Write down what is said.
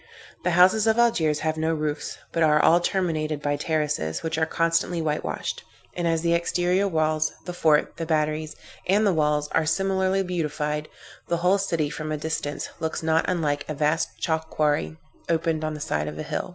The houses of Algiers have no roofs, but are all terminated by terraces, which are constantly whitewashed; and as the exterior walls, the fort, the batteries and the walls are similarly beautified, the whole city, from a distance, looks not unlike a vast chalk quarry opened on the side of a hill.